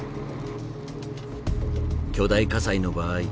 巨大火災の場合